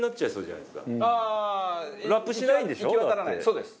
そうです。